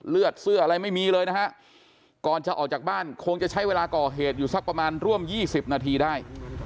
เลือดเสื้ออะไรไม่มีเลยนะฮะก่อนจะออกจากบ้านคงจะใช้เวลาก่อเหตุอยู่สักประมาณร่วม๒๐นาทีได้